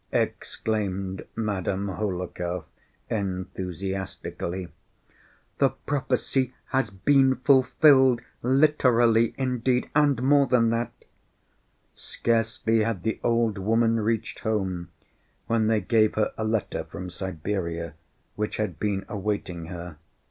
exclaimed Madame Hohlakov enthusiastically, "the prophecy has been fulfilled literally indeed, and more than that." Scarcely had the old woman reached home when they gave her a letter from Siberia which had been awaiting her.